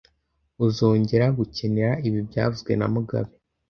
Uzongera gukenera ibi byavuzwe na mugabe